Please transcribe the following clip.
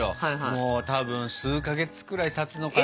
もうたぶん数か月くらいたつのかな。